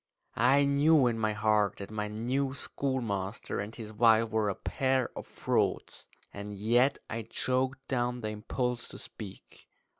I knew in my heart that my new schoolmaster and his wife were a pair of frauds, and yet I choked down the impulse to speak.